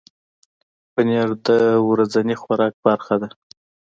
پنېر د ورځني خوراک برخه ده.